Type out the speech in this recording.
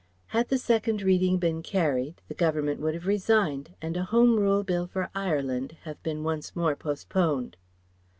Had the Second reading been carried, the Government would have resigned and a Home Rule Bill for Ireland have been once more postponed.